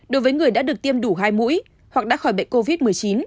đối với người đã được tiêm đủ hai mũi hoặc đã khỏi bệnh covid một mươi chín